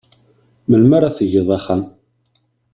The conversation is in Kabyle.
Melmi ara tgeḍ axxam?